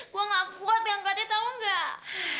gue gak kuat dengan gantinya tau gak